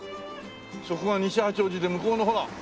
そこが西八王子で向こうのほらっ。